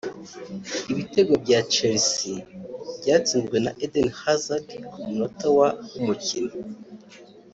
Ibitego bya Chelsea byatsinzwe na Eden Hazard ku munota wa ' w'umukino